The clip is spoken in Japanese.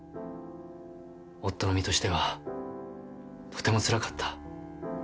夫の身としてはとてもつらかった。